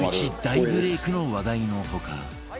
大ブレークの話題の他